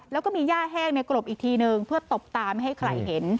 แล้วก็มีย่าแห้งในกรบอีกทีนึงเพื่อตบตาไม่ให้ใครเห็น